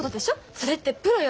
それってプロよね。